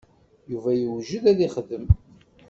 Yuba iwjed ad ixdem.